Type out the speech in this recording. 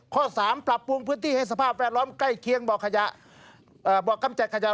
ข้อ๓ปรับปรุงพื้นที่ให้สภาพแวดล้อมใกล้เคียงบ่อขยะบ่อกำจัดขยะ